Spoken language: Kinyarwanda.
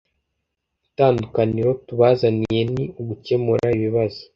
Itandukaniro tubazaniye ni ugukemura ibibazo